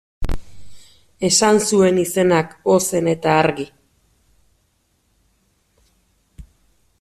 Esan zuen izenak ozen eta argi.